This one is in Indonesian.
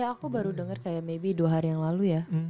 ya aku baru denger kayak maybe dua hari yang lalu ya